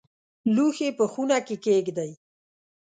لوښي په خونه کې کښېږدئ